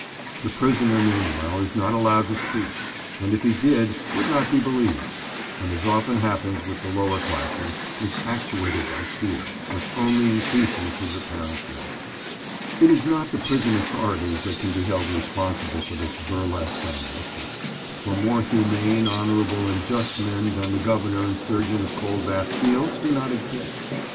The prisoner meanwhile is not allowed to speak, and if he did would not be believed, and, as often happens with the lower classes, is actuated by fear, which only increases his apparent guilt. [Picture: Typical turnkey L. Normal expression R. Corroborative evidence] It is not the prison authorities that can be held responsible for this burlesque on justice, for more humane, honourable, and just men than the Governor and Surgeon of Coldbath Fields do not exist.